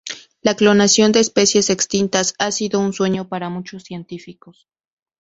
La clonación de especies extintas, ha sido un sueño para muchos científicos.